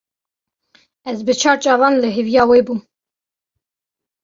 Ez bi çar çavan li hêviya wê bûm.